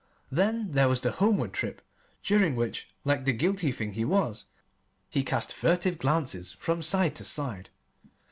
Then there was the homeward trip, during which, like the guilty thing he was, he cast furtive glances from side to side.